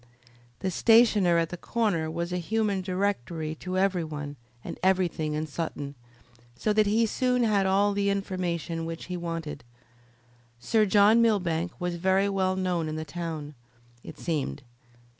The stationer at the corner was a human directory to every one and everything in Sutton, so that he soon had all the information which he wanted. Sir John Millbank was very well known in the town, it seemed.